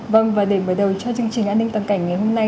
vâng và để mở đầu cho chương trình an ninh toàn cảnh ngày hôm nay